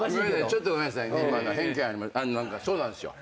ちょっとごめんなさいね偏見そうなんですよ。